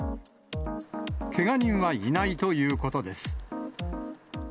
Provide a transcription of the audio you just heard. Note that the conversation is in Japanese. けが人はいないということです。